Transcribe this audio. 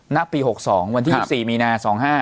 ณปี๖๒วันที่๒๔มีนา๒๕